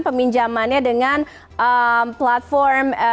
peminjamannya dengan platform